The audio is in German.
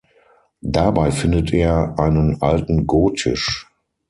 Dabei findet er einen alten Go-Tisch.